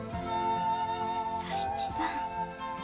佐七さん。